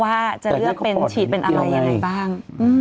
ว่าจะเลือกเป็นฉีดเป็นอะไรยังไงบ้าง